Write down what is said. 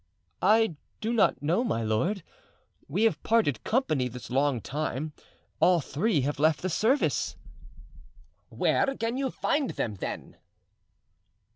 "I do not know, my lord. We have parted company this long time; all three have left the service." "Where can you find them, then?"